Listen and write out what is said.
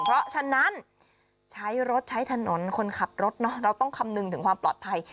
เพราะฉะนั้นใช้รถใช้ถนนคนขับรถเราต้องคำนึงถึงความปลอดภัย